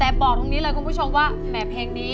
แต่บอกตรงนี้เลยคุณผู้ชมว่าแหม่เพลงนี้